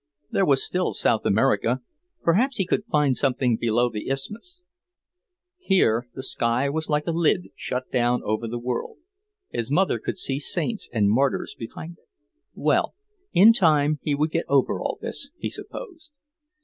There was still South America; perhaps he could find something below the Isthmus. Here the sky was like a lid shut down over the world; his mother could see saints and martyrs behind it. Well, in time he would get over all this, he supposed.